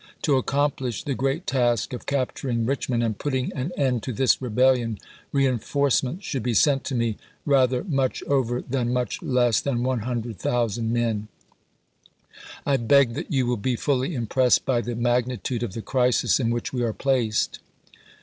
To accomplish the great task of cap turing Richmond and putting an end to this rebellion re enforcements should be sent to me, rather much over w. R. than much less than 100,000 men. I beg that you will be Part iii'., i^lly impressed by the magnitude of the crisis in which i>. 2'j'2. y^Q are placed.